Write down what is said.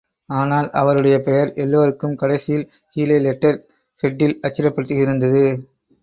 ஆனால் அவருடைய பெயர் எல்லோருக்கும் கடைசியில் கீழே லெட்டர் ஹெட் டில் அச்சிடப் பட்டிருந்தது.